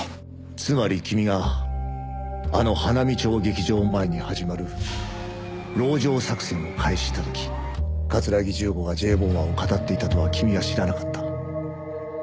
つまり君があの花見町劇場前に始まる籠城作戦を開始した時桂木重吾がＪ・ボマーを騙っていたとは君は知らなかった。